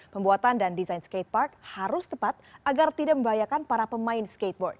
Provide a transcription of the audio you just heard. pembuatan dan desain skatepark harus tepat agar tidak membahayakan para pemain skateboard